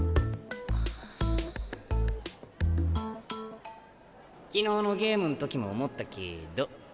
回想昨日のゲームん時も思ったけど。